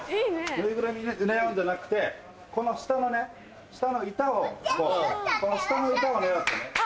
ぬいぐるみ狙うんじゃなくてこの下のね下の板を下の板を狙ってね。